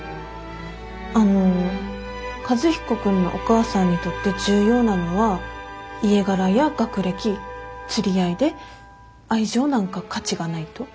あの和彦君のお母さんにとって重要なのは家柄や学歴釣り合いで愛情なんか価値がないと。